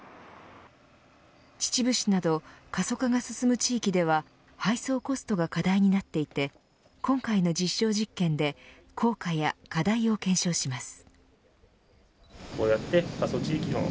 秩父市など過疎化が進む地域では配送コストが課題になっていて今回の実証実験で効果や課題を検証します。